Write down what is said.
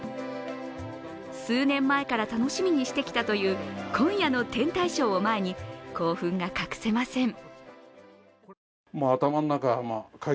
数年前から楽しみにしてきたという今夜の天体ショーを前に興奮が隠せません。